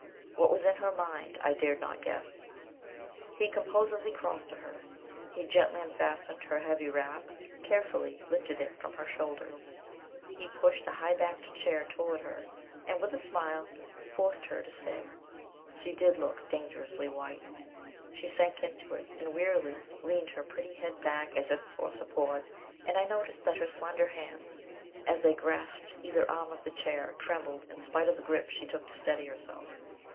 What was in her mind I dared not guess. He composedly crossed to her. He gently unfastened her heavy wrap, carefully lifted it from her shoulders. He pushed a high backed chair toward her, and, with a smile, forced her to sit she did look dangerously white. She sank into it, and wearily leaned her pretty head back, as if for support, and I noticed that her slender hands, as they grasped either arm of the chair, trembled, in spite of the grip she took to steady herself.